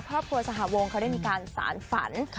ครอบครัวสหวงเขาได้มีการสารฝัน